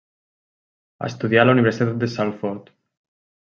Estudià a la Universitat de Salford.